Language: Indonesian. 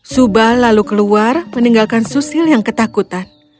suba lalu keluar meninggalkan susil yang ketakutan